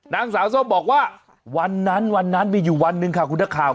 นางสาวส้มบอกว่าวันนั้นวันนั้นมีอยู่วันหนึ่งค่ะคุณนักข่าว